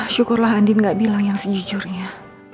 syukurlah andin gak bilang yang sejujurnya